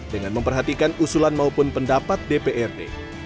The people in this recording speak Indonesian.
dengan memperhatikan usulan maupun pendapat dprd